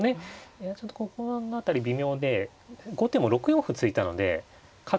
いやちょっとここの辺り微妙で後手も６四歩突いたので角交換になったあとにですね